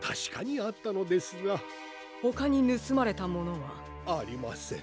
ほかにぬすまれたものは？ありません。